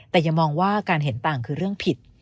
แต่อย่ามองว่าการเห็นต่างคือเรื่องผิด